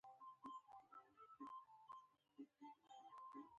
• ته لکه د باران خوشبويي یې.